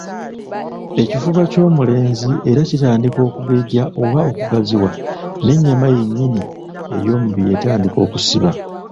Ekifuba ky'Omulenzi era kitandika okugejja oba okugaziwa n'ennyama yennyini ey'omubiri etandika okusiba,